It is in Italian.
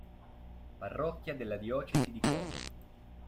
Parrocchia della diocesi di Como.